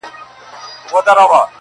بو ډا تللی دی پر لار د پخوانیو!!